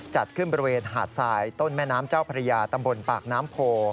จัดขึ้นบริเวณหาดทรายต้นแม่น้ำเจ้าพระยาตำบลปากน้ำโพ